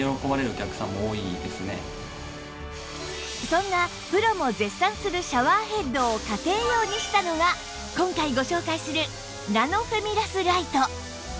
そんなプロも絶賛するシャワーヘッドを家庭用にしたのが今回ご紹介するナノフェミラスライト